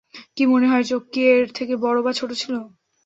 কি মনে হয়, চোখ কি এর থেকে বড় বা ছোট ছিলো?